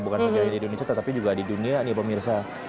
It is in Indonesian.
bukan hanya di indonesia tetapi juga di dunia nih pemirsa